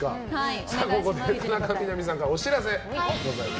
ここで田中みな実さんからお知らせございます。